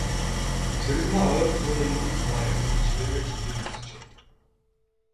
Цэрэгмаа ойр зуурын юм, хумаа янзлан ширээгээ цэмбийтэл арчив.